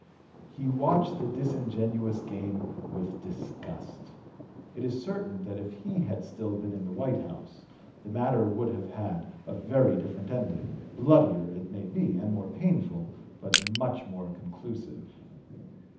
He watched the disingenuous game with disgust. It is certain that if he had still been in the White House, the matter would have had a (p. 237) very different ending, bloodier, it may be, and more painful, but much more conclusive.